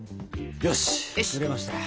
よし！